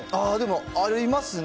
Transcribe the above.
でもありますね。